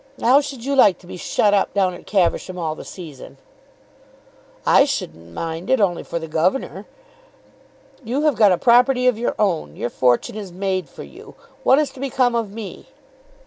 How should you like to be shut up down at Caversham all the season?" "I shouldn't mind it, only for the governor." "You have got a property of your own. Your fortune is made for you. What is to become of me?"